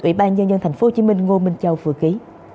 ubnd tp hcm ngô minh châu vừa ghi